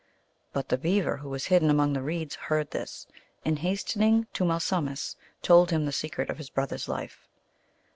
But the Beaver, who was hidden among the reeds, heard this, and hastening to Mal sumsis told him the secret of his brother s life.